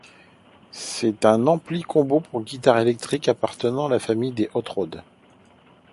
C'est un ampli combo pour guitare électrique appartenant à la famille des Hot Rod.